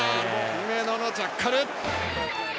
姫野のジャッカル！